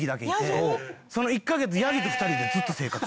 その１カ月ヤギと２人でずっと生活。